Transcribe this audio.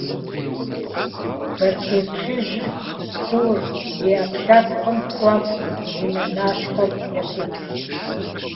Бостей плъыжь цӏуур и ӏэпкълъэпкъым хуэфӏт, и нэ нащхъуэм екӏупст.